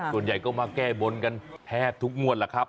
ส่วนใหญ่ก็มาแก้บนกันแทบทุกงวดแล้วครับ